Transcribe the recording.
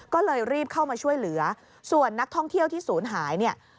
ก็เลยรีบเข้ามาช่วยเหลือส่วนนักท่องเที่ยวที่ศูนย์หายเนี่ย